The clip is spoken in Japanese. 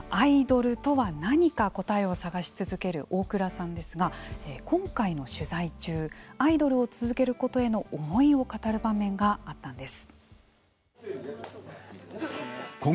さあ、アイドルとは何か答えを探し続ける大倉さんですが今回の取材中アイドルを続けることへの思いを語る場面があったんです。